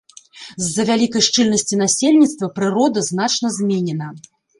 З-за вялікай шчыльнасці насельніцтва прырода значна зменена.